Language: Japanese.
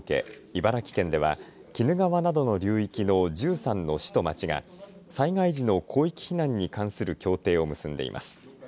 茨城県では鬼怒川などの流域の１３の市と町が災害時の広域避難に関する協定を結んでいます。